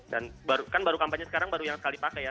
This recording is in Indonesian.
dan kan baru kampanye sekarang baru yang sekali pakai ya